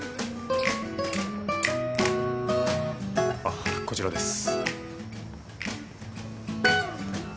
あっこちらです。